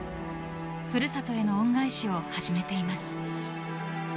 古里への恩返しを始めています。